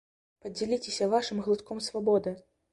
Падзяліцеся вашым глытком свабоды!